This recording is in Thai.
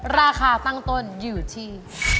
ราคาตั้งต้นอยู่ที่